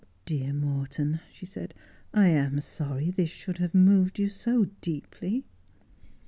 ' Dear Morton,' she said, ' I am sorry this should have moved yoa so deeply.'